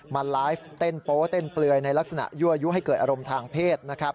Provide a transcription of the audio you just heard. มาไลฟ์เต้นโป๊เต้นเปลือยในลักษณะยั่วยุให้เกิดอารมณ์ทางเพศนะครับ